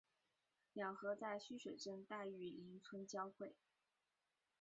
两河在须水镇大榆林村交汇。